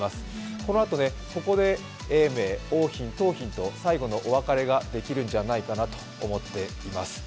このあとここで永明、桜浜、桃浜と最後のお別れができるんじゃないかなと思っています。